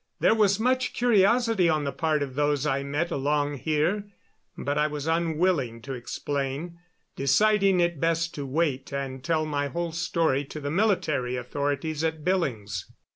There was much curiosity on the part of those I met along here, but I was unwilling to explain, deciding it best to wait and tell my whole story to the military authorities at Billings.